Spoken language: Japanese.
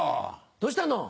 どうしたの？